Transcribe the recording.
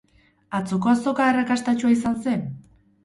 Atzoko azoka arrakastatsua izan zen?